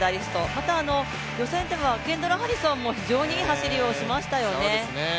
また、予選ではケンドラ・ハリソンも非常にいい走りをしましたよね。